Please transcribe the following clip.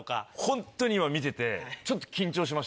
ホントに今見ててちょっと。